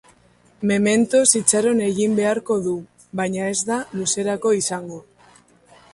Mementoz itxaron egin beharko du, baina ez da luzerako izango.